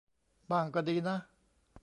บ้างก็ดีนะ